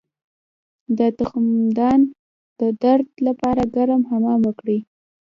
د تخمدان د درد لپاره ګرم حمام وکړئ